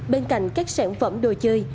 bên cạnh các sản phẩm đồ chơi